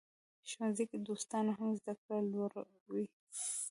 ښوونځي کې دوستان هم زده کړه لوړوي.